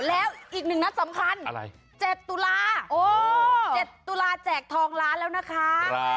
แล้วอีกหนึ่งนัดสำคัญ